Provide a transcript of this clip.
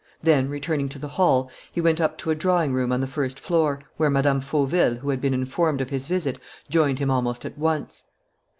Then, returning to the hall, he went up to a drawing room on the first floor, where Mme. Fauville, who had been informed of his visit, joined him almost at once.